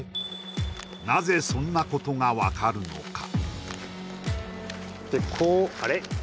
なぜそんなことが分かるのか